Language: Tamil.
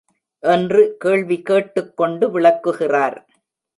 என்று கேள்வி கேட்டுக்கொண்டு விளக்குகிறார்.